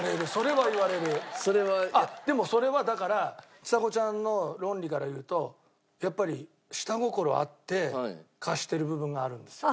あっでもそれはだからちさ子ちゃんの論理から言うとやっぱり下心あって貸してる部分があるんですよ。